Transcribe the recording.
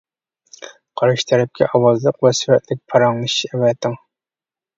قارشى تەرەپكە ئاۋازلىق ۋە سۈرەتلىك پاراڭلىشىش ئەۋەتىڭ.